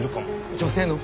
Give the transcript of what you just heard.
女性の？